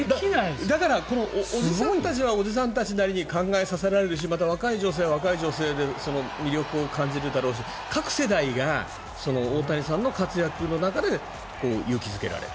だからおじさんたちはおじさんたちなりに考えさせられるしまた若い女性は若い女性で魅力を感じるだろうし各世代が大谷さんの活躍の中で勇気付けられる。